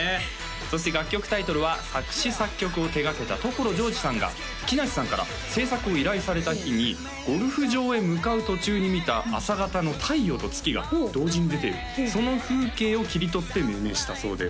そして楽曲タイトルは作詞作曲を手がけた所ジョージさんが木梨さんから制作を依頼された日にゴルフ場へ向かう途中に見た朝方の太陽と月が同時に出ているその風景を切り取って命名したそうです